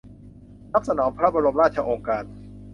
รับสนองพระบรมราชโองการ